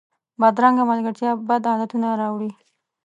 بدرنګه ملګرتیا بد عادتونه راوړي